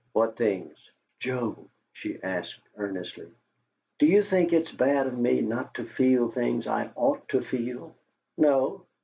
"What things?" "Joe," she asked, earnestly, "do you think it's bad of me not to feel things I OUGHT to feel?" "No."